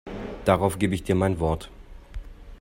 Darauf gebe ich dir mein Wort.